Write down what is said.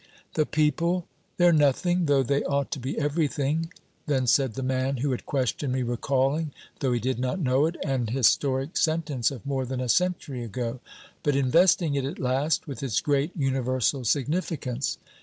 "The people they're nothing, though they ought to be everything," then said the man who had questioned me, recalling, though he did not know it, an historic sentence of more than a century ago, but investing it at last with its great universal significance.